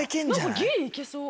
何かギリいけそう。